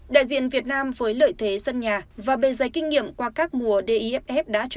đại diện việt nam với lợi thế sân nhà và bề giấy kinh nghiệm qua các mùa diff